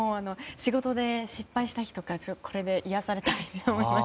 仕事で失敗した日とかこれで癒やされたいと思います。